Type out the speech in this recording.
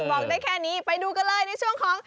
บอกได้แค่นี้ไปดูกันเลยในช่วงของ